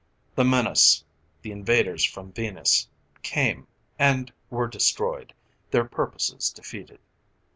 The menace the invaders from Venus came, and were destroyed, their purposes defeated.